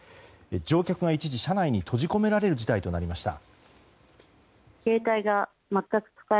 乗客が一時車内に閉じ込められる事態となりました。